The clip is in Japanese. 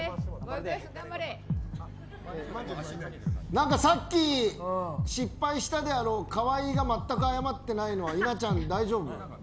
なんかさっき失敗したであろう河合がまったく謝ってないのは稲ちゃん、大丈夫。